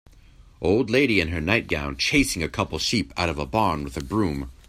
Old lady in her night gown chasing a couple sheep out of a barn with a broom.